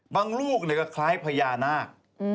บางรูปก็คล้ายพญานาค